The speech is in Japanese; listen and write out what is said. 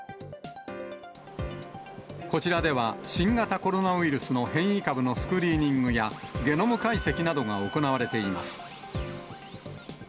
こちらでは、新型コロナウイルスの変異株のスクリーニングや、ゲノム解析などが行われています。